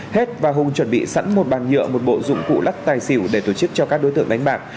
hết và hùng chuẩn bị sẵn một bàn nhựa một bộ dụng cụ lắc tài xỉu để tổ chức cho các đối tượng đánh bạc